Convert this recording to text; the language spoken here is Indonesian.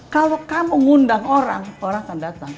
kalau kamu ngundang orang orang akan datang